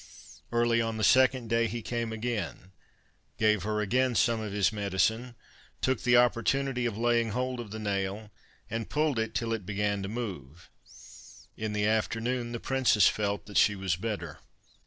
Early on the second day he came again, gave her again some of his medicine, took the opportunity of laying hold of the nail, and pulled it till it began to move. In the afternoon the princess felt that she was better.